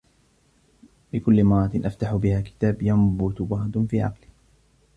بكل مرة أفتح بها كتاب ينبت ورد في عقلي.